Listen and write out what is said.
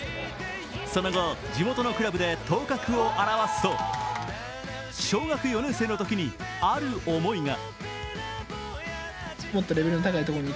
その後、地元のクラブで頭角を現すと小学４年生のときにある思いが。